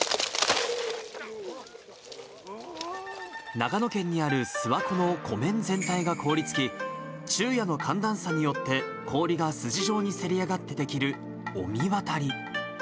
長野県にある諏訪湖の湖面全体が凍りつき、昼夜の寒暖差によって氷が筋状にせり上がって出来る御神渡り。